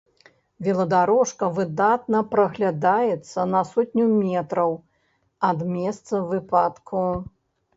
Веладарожка выдатна праглядаецца на сотню метраў ад месца выпадку.